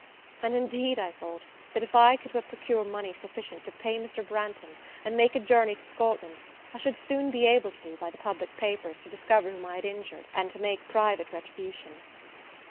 And, indeed, I thought, that if I could but procure money sufficient to pay Mr. Branghton, and make a journey to Scotland, I should soon be able to, by the public papers, to discover whom I had injured, and to make private retribution.